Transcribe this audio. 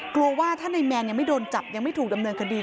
กลัวว่าถ้านายแมนยังไม่โดนจับยังไม่ถูกดำเนินคดี